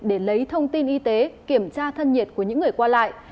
để lấy thông tin y tế kiểm tra thân nhiệt của những người qua lại